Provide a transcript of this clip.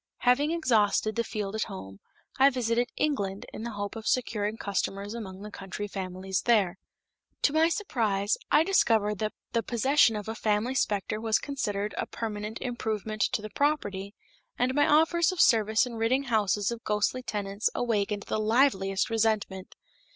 Having exhausted the field at home, I visited England in the hope of securing customers among the country families there. To my surprise, I discovered that the possession of a family specter was considered as a permanent improvement to the property, and my offers of service in ridding houses of ghostly tenants awakened the liveliest resentment.